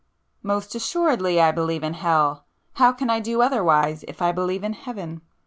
"Most assuredly I believe in hell! How can I do otherwise if I believe in heaven?